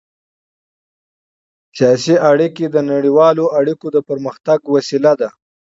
ډیپلوماسي د نړیوالو اړیکو د پرمختګ وسیله ده.